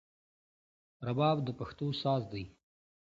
رباب د پښتو ساز دی